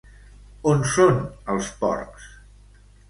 On són els porcs?